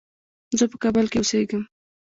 زه په کابل کې اوسېږم.